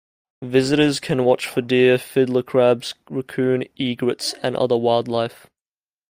Visitors can watch for deer, fiddler crabs, raccoon, egrets and other wildlife.